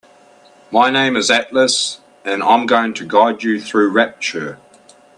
My name is Atlas and I'm going to guide you through Rapture.